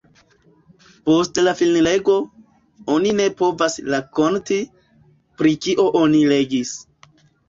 Post la finlego, oni ne povas rakonti, pri kio oni legis.